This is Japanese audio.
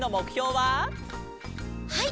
はい！